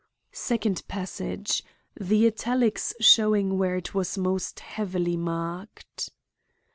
Second passage; the italics showing where it was most heavily marked.